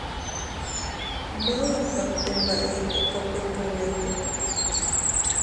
Mávapa pe mbaʼe hekopytũvéva?